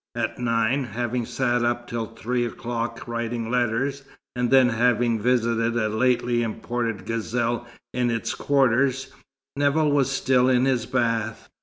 At nine having sat up till three o'clock writing letters, and then having visited a lately imported gazelle in its quarters Nevill was still in his bath.